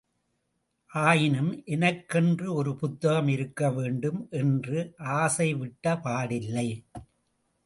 ஆயினும் எனக்கென்று ஒரு புத்தகம் இருக்க வேண்டும் என்ற ஆசைவிட்ட பாடில்லை.